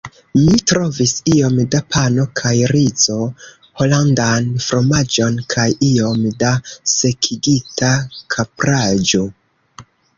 Mi trovis iom da pano kaj rizo, holandan fromaĝon, kaj iom da sekigita kapraĵo.